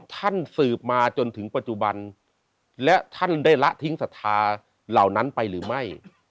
ท่านสืบมาจนถึงปัจจุบันและท่านได้ละทิ้งศรัทธาเหล่านั้นไปหรือไม่